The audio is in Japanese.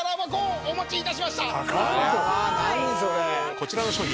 こちらの商品